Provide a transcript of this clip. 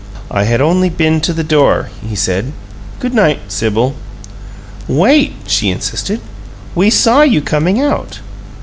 "I had only been to the door," he said. "Good night, Sibyl." "Wait," she insisted. "We saw you coming out."